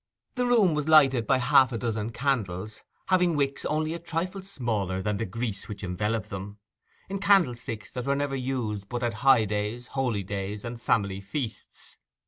The room was lighted by half a dozen candles, having wicks only a trifle smaller than the grease which enveloped them, in candlesticks that were never used but at high days, holy days, and family feasts.